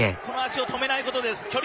この足を止めないことです。